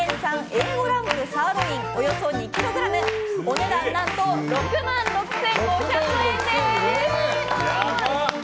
Ａ５ランクサーロインおよそ２ｋｇお値段何と６万６５００円です。